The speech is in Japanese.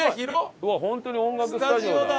本当に音楽スタジオだ。